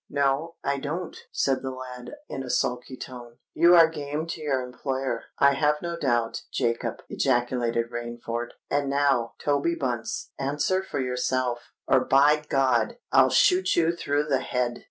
"No—I don't," said the lad, in a sulky tone. "You are game to your employer, I have no doubt, Jacob," ejaculated Rainford. "And now, Toby Bunce, answer for yourself—or, by God! I'll shoot you through the head!